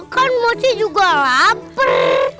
kan mochi juga lapar